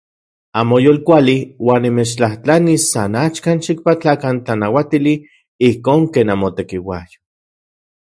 Amo yolkuali uan nimechtlajtlanis san axkan xikpatlakan tlanauatili ijkon ken namotekiuajyo.